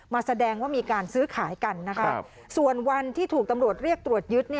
แสดงว่ามีการซื้อขายกันนะคะส่วนวันที่ถูกตำรวจเรียกตรวจยึด